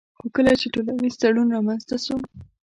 خو کله چي ټولنيز تړون رامنځته سو